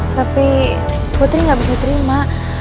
tapi putri nggak bisa terima